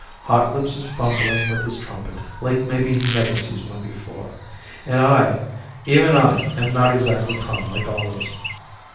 Hotlips is fumbling with his trumpet like maybe he never sees one before. And I even I am not exactly calm like always.